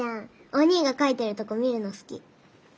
おにぃが描いてるとこ見るの好き。